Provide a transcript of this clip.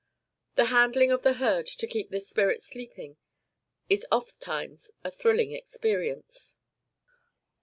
The handling of the herd to keep this spirit sleeping is ofttimes a thrilling experience.